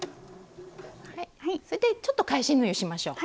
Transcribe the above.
それでちょっと返し縫いをしましょう。